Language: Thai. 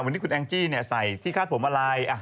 วันนี้คุณแอ็งจิใส่ที่คาดผมว่าไลน์